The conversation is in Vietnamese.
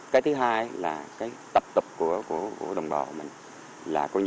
cái thứ hai là tập tục của đồng bào